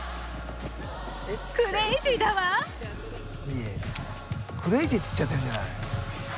クレイジーって言っちゃってるじゃない。